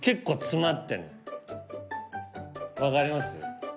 分かります？